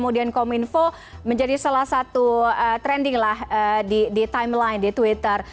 dan kominfo menjadi salah satu trending lah di timeline di twitter